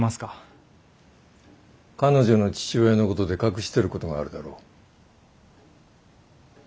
彼女の父親のことで隠してることがあるだろ？